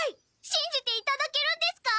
しんじていただけるんですか！？